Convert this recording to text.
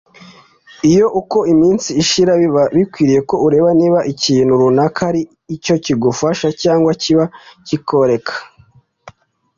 iyo uko iminsi ishira biba bikwiriye ko ureba niba ikintu runaka hari icyo kigufasha cyangwa cyaba kikoreka